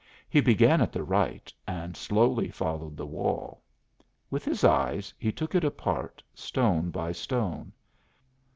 He began at the right, and slowly followed the wall. With his eyes he took it apart, stone by stone.